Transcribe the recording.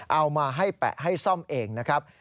เอามาให้แปะให้ซ่อมเองนะครับ